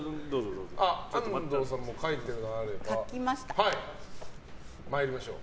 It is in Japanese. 安藤さんも書いてあれば参りましょう。